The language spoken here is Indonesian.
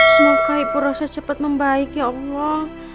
semoga ibu rosa cepat membaik ya allah